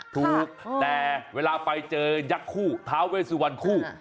ถูกแต่เวลาไปเจอยักษ์คู่ท้าเวสุวรรณคู่